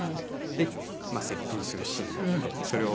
で接吻するシーンがあってそれをやったんですね。